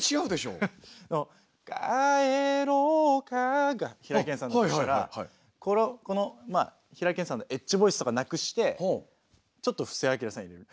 「帰ろうか」が平井堅さんだとしたら平井堅さんのエッジボイスとかなくしてちょっと布施明さんを入れる。